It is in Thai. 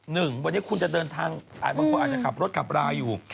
หนึ่งวันนี้คุณจะเดินทางบางคนอาจจะขับรถขับราอยู่